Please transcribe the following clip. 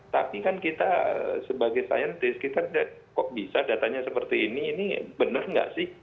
tapi kan kita sebagai saintis kita kok bisa datanya seperti ini ini benar nggak sih